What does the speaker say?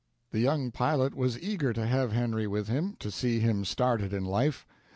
The young pilot was eager to have Henry with him to see him started in life.